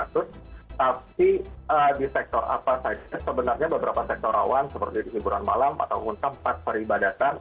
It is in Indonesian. tapi di sektor apa saja sebenarnya beberapa sektor rawan seperti liburan malam ataupun tempat peribadatan